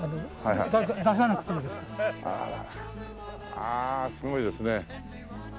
ああすごいですね。